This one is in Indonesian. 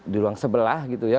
di ruang sebelah gitu ya